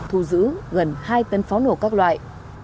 thu giữ gần hai tấn pháo nổ các loại